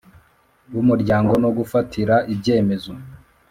b Umuryango no gufatira ibyemezo